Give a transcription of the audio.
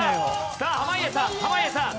さあ濱家さん濱家さん。